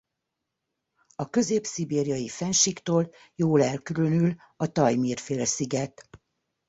A Közép-szibériai-fennsíktól jól elkülönül a Tajmir-félsziget.